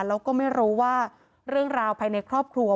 แล้วก็ไม่รู้ว่าเรื่องราวภายในครอบครัว